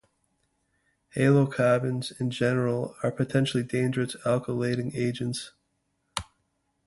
Halocarbons in general are potentially dangerous alkylating agents.